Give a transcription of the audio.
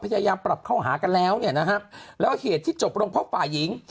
พยายามปรับเข้าหากันแล้วเนี่ยนะฮะแล้วเหตุที่จบลงเพราะฝ่ายหญิง